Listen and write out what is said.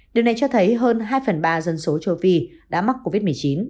điều này cho thấy hơn hai phần ba dân số châu phi đã mắc covid một mươi chín